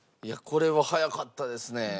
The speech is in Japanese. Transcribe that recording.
いやこれは早かったですね。